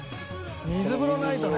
水風呂ないとね！